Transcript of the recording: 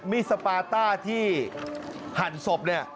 สปาต้าที่หั่นศพเนี่ย